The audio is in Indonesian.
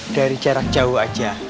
dari jarak jauh aja